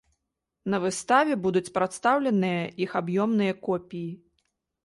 На выставе будуць прадстаўленыя іх аб'ёмныя копіі.